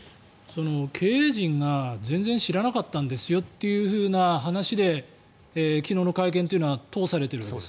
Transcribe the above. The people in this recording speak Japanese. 経営陣が全然知らなかったんですよという話で昨日の会見というのは通されているわけです